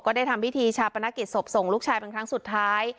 ได้ทำพิธีชาปนกิจศพส่งลูกชายเป็นครั้งสุดท้าย